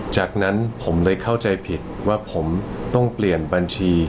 จากนั้นผมเลยเข้าใจผิดว่าผมต้องเปลี่ยนบัญชี